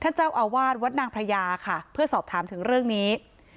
เจ้าอาวาสวัดนางพระยาค่ะเพื่อสอบถามถึงเรื่องนี้